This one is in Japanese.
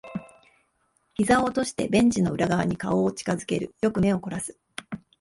膝を落としてベンチの裏側に顔を近づける。よく目を凝らす。